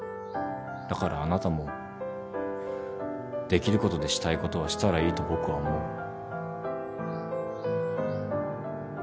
だからあなたもできることでしたいことはしたらいいと僕は思う。